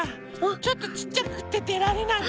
ちょっとちっちゃくってでられないの。